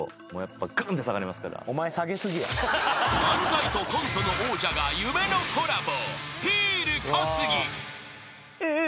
［漫才とコントの王者が夢のコラボ］